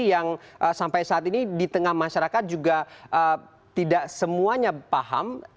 yang sampai saat ini di tengah masyarakat juga tidak semuanya paham